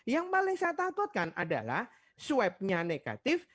yang paling saya takutkan adalah swab nya negatif